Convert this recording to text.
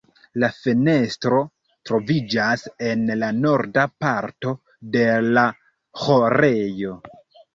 La fenestro troviĝas en la norda parto de la ĥorejo.